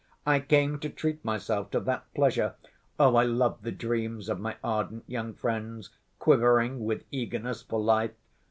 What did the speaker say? I came to treat myself to that pleasure. Oh, I love the dreams of my ardent young friends, quivering with eagerness for life!